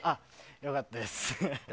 良かったです。